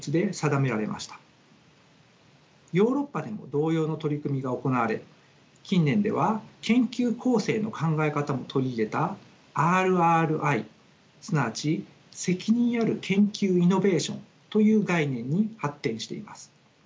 ヨーロッパでも同様の取り組みが行われ近年では研究公正の考え方も取り入れたＲＲＩすなわち責任ある研究イノベーションという概念に発展しています。